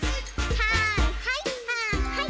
はいはいはいはい。